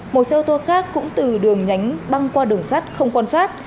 một xe ô tô khác cũng từ đường nhánh băng qua đường sắt không quan sát